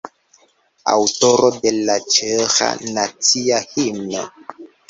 Aŭtoro de la ĉeĥa nacia himno.